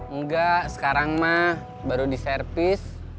enggak sekarang mah baru diservis